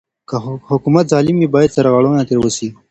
که حکومت ظالم وي بايد سرغړونه ترې وسي.